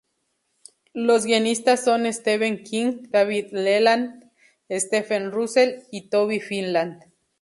Los guionistas son Steven Knight, David Leland, Stephen Russell y Toby Finlay.